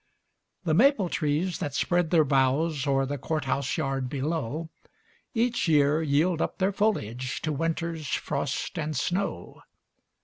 The maple trees that spread their boughs O'er the court house yard below, Each year yield up their foliage To winter's frost and snow.